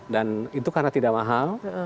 dan itu karena tidak mahal